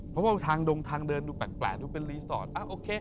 เพราะว่าทางดงทางเดินดูแปลกดูเป็นรีสอร์ทโอเค